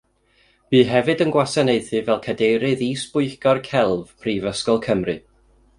Bu hefyd yn gwasanaethu fel cadeirydd is-bwyllgor celf Prifysgol Cymru.